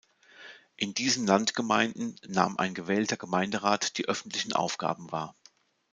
In diesen Landgemeinden nahm ein gewählter Gemeinderat die öffentlichen Aufgaben wahr.